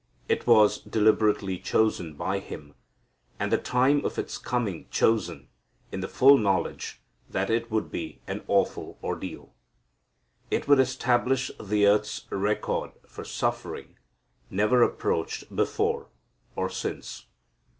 It was deliberately chosen by Him, and the time of its coming chosen in the full knowledge that it would be an awful ordeal. It would establish the earth's record for suffering, never approached before or since.